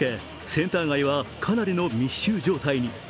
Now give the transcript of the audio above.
センター街はかなりの密集状態に。